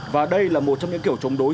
và đây là một trong những kiểu chống đối